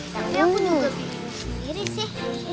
tapi aku juga pikir sendiri sih